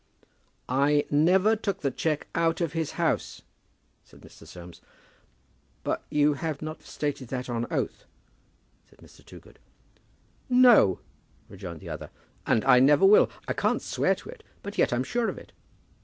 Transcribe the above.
"I never took the cheque out of his house," said Mr. Soames. "But you have not stated that on oath," said Mr. Toogood. "No," rejoined the other; "and I never will. I can't swear to it; but yet I'm sure of it."